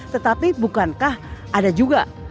tetapi bukankah ada juga